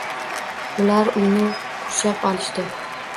Ular uyni qurshab olishdi.